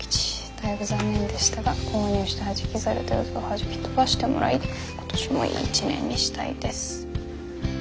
だいぶ残念でしたが購入したはじき猿で禍をはじき飛ばしてもらい今年もいい一年にしたいです」。